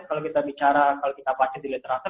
kalau kita bicara kalau kita baca di literaksi